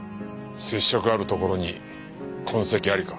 接触あるところに痕跡ありか。